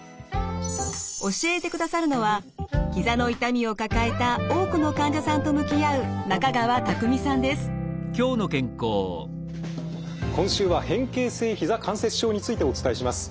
教えてくださるのはひざの痛みを抱えた多くの患者さんと向き合う今週は変形性ひざ関節症についてお伝えします。